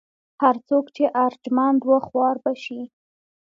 هر څوک چې ارجمند و خوار به شي.